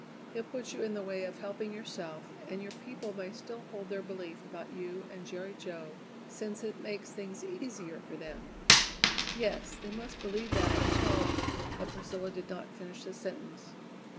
He'll put you in the way of helping yourself, and your people may still hold their belief about you and Jerry Jo, since it makes things easier for them." "Yes; they must believe that until " But Priscilla did not finish the sentence.